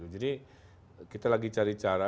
jadi kita lagi cari cara